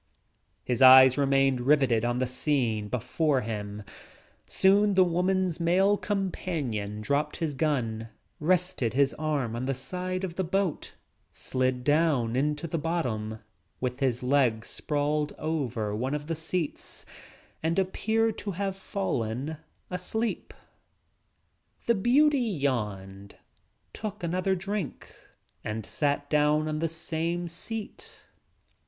His eyes remained riveted on the scene before Soon the woman's male companion dropped his gun, rested his arm on the side of the boat, slid down into the bottom with his legs sprawled over one of the seats and appeared to have fallen asleep. The beauty yawned, took another drink and sat down on the same seat.